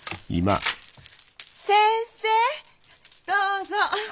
先生どうぞ。